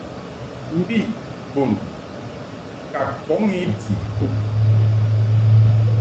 Mbi bun ka kɔn I ti.